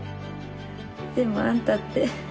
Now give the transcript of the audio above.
でもあんたって